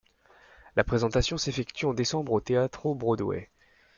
La présentation s'effectue en décembre au Teatro Broadway.